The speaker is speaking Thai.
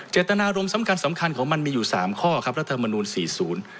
เจตนารมสำคัญของมันมีอยู่๓ข้อครับรัฐธรรมนูล๔๐